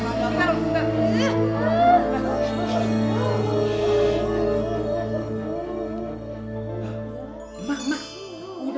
tunggu patreon beautiful nih